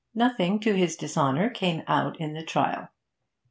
Nothing to his dishonour came out in the trial.